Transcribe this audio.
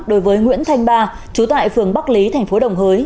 đối với nguyễn thanh ba chú tại phường bắc lý tp đồng hới